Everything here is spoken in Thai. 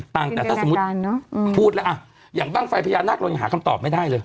ตั้งแต่ถ้าสมมุติพูดแล้วอ่ะอย่างบ้างไฟพญานาคเรายังหาคำตอบไม่ได้เลย